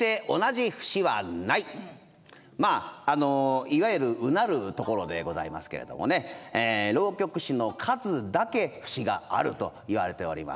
まあいわゆるうなるところでございますけれどもね浪曲師の数だけ節があるといわれております。